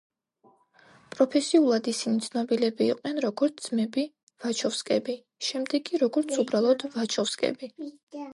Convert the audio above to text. პროფესიულად ისინი ცნობილები იყვნენ, როგორც ძმები ვაჩოვსკები, შემდეგ კი, როგორც უბრალოდ ვაჩოვსკები.